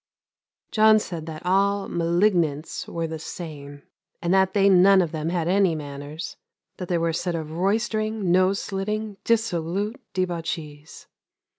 John said that all "malignants" were the same; and that they none of them had any manners; that they were a set of roystering, nose slitting, dissolute debauchees.